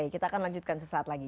kita akan lanjutkan sesaat lagi